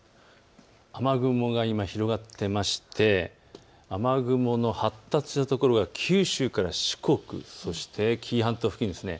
雨雲が今、広がっていまして雨雲の発達する所が九州から四国、そして紀伊半島付近です。